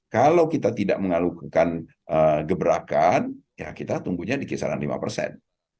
kalau kita tidak mengalukan geberakan kita tumbuhnya di kisaran lima persen